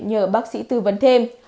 nhờ bác sĩ tư vấn thêm